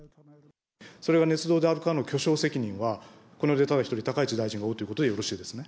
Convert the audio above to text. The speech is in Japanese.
それがねつ造であるかの挙証責任は、この上でただ一人、高市大臣が負うということでよろ